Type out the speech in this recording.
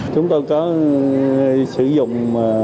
chúng tôi có sử dụng